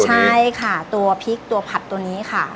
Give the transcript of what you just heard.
ใช่ค่ะตัวพริกตัวผัดตัวนี้ค่ะ